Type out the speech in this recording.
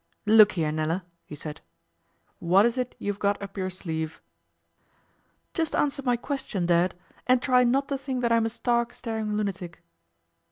'Look here, Nella,' he said, 'what is it you've got up your sleeve?' 'Just answer my question, Dad, and try not to think that I'm a stark, staring lunatic.